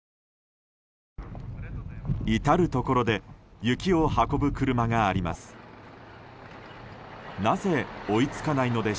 至るところで雪を運ぶ車があります。